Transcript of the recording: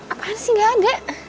apaan sih gak ada